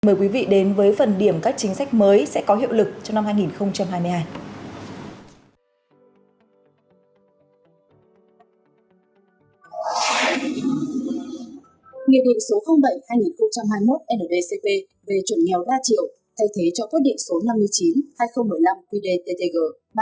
mời quý vị đến với phần điểm các chính sách mới sẽ có hiệu lực trong năm hai nghìn hai mươi hai